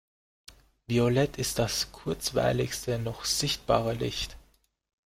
Violett ist das kurzwelligste noch sichtbare Licht.